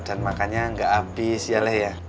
dan makannya gak abis ya leh ya